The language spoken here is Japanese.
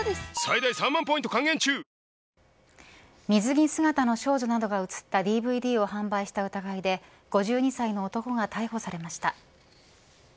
水着姿の少女などが映ったＤＶＤを販売した疑いで５２歳の男が逮捕されました。